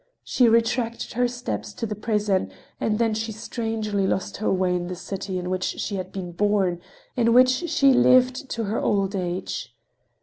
She retraced her steps to the prison, and then she strangely lost her way in the city in which she had been born, in which she lived to her old age.